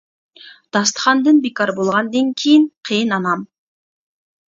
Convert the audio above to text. داستىخاندىن بىكار بولغاندىن كېيىن قېيىن ئانام!